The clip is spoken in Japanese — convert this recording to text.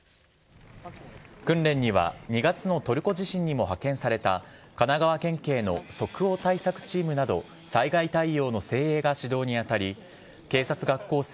訓練には２月のトルコ地震にも派遣された神奈川県警の即応対策チームなど、災害対応の精鋭が指導に当たり、警察学校生